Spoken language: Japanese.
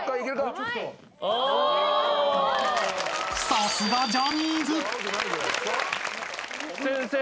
［さすがジャニーズ］先生。